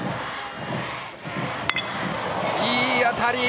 いい当たり！